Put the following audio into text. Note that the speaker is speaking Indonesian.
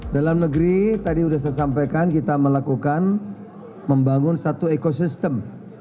dalam negeri tadi sudah saya sampaikan kita melakukan membangun satu ekosistem